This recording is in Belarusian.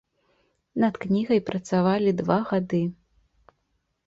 Над кнігай працавалі два гады.